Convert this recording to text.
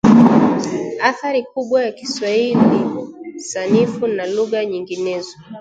athari kubwa ya Kiswahili Sanifu na lugha nyinginezo